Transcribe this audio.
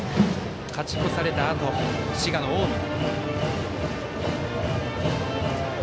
勝ち越されたあと滋賀の近江。